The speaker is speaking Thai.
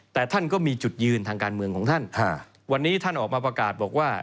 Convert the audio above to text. แต่ท่านก็มีจุดยืนทางการเมืองของท่านวันนี้ท่านออกมาประกาศบอกว่า